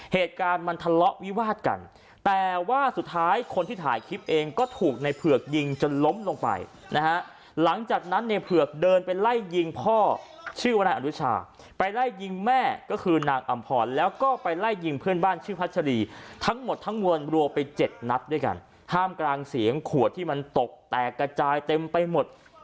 เหตุการณ์มันทะเลาะวิวาดกันแต่ว่าสุดท้ายคนที่ถ่ายคลิปเองก็ถูกในเผือกยิงจนล้มลงไปนะฮะหลังจากนั้นในเผือกเดินไปไล่ยิงพ่อชื่อวนายอนุชาไปไล่ยิงแม่ก็คือนางอำพรแล้วก็ไปไล่ยิงเพื่อนบ้านชื่อพัชรีทั้งหมดทั้งมวลรวมไปเจ็ดนัดด้วยกันท่ามกลางเสียงขวดที่มันตกแตกกระจายเต็มไปหมด